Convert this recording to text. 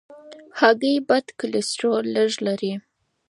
هګۍ بد کلسترول لږ لري.